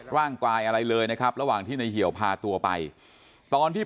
อะไรเลยนะครับระหว่างที่ในเหี่ยวพาตัวไปตอนที่